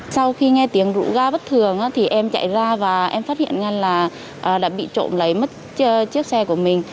sau khi nghe tiếng rụ ga bất thường thì em chạy ra và em phát hiện ra là đã bị trộm lấy mất chiếc xe của mình